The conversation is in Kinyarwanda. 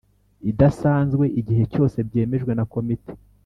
idasanzwe igihe cyose byemejwe na Komite